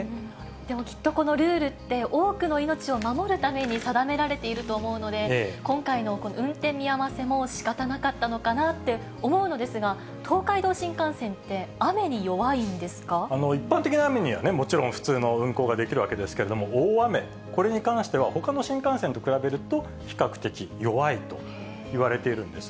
でもきっとこのルールって、多くの命を守るために定められていると思うので、今回の運転見合わせも、しかたなかったのかなって思うのですが、東海道新幹線って雨に弱一般的な雨にはもちろん普通の運行ができるわけなんですけれども、大雨、これに関しては、ほかの新幹線と比べると比較的弱いといわれているんです。